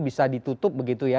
bisa ditutup begitu ya